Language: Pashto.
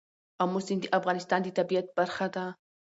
آمو سیند د افغانستان د طبیعت برخه ده.